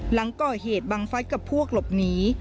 หลังก่อเหตุบังฟัสกับพวกหลบหนี